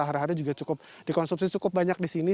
hari hari juga cukup dikonsumsi cukup banyak di sini